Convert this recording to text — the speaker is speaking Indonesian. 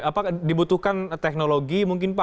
apa dibutuhkan teknologi mungkin pak